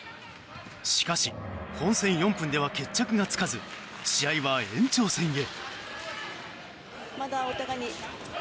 しかし本戦４分では決着がつかず試合は延長戦へ。